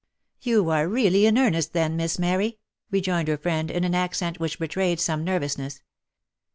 "" You are really in earnest then, Miss Mary?" rejoined her friend in an accent which betrayed some nervousness.